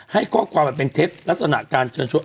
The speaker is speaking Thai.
ให้ข้อความแบบเป็นเท็จลักษณะการเชิญชวน